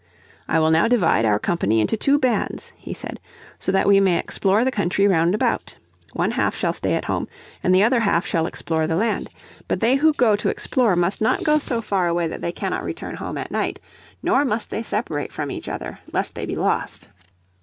"I will now divide our company into two bands," he said, "so that we may explore the country round about. One half shall stay at home, and the other half shall explore the land. But they who go to explore must not go so far away that they cannot return home at night, nor must they separate from each other, lest they be lost."